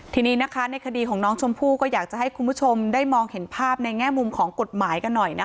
ทีนี้นะคะในคดีของน้องชมพู่ก็อยากจะให้คุณผู้ชมได้มองเห็นภาพในแง่มุมของกฎหมายกันหน่อยนะคะ